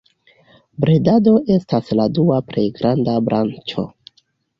Bredado estas la dua plej granda branĉo.